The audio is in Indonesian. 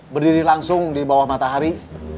berdiri langsung di bawah matahari